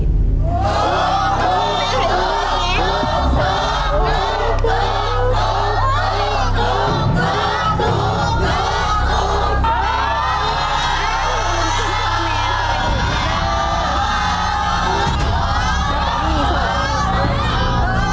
เยี่ยม